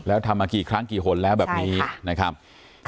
แล้วทำมากี่ครั้งกี่หนแล้วแบบนี้นะครับ